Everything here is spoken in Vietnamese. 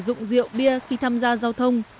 dụng rượu bia khi tham gia giao thông